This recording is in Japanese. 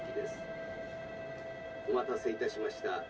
お待たせいたしました。